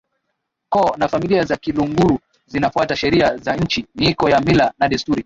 koo na familia za Kiluguru zinafuata sheria za nchi miiko ya mila na desturi